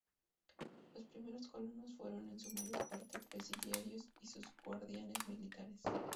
Los primeros colonos fueron en su mayor parte presidiarios y sus guardianes militares.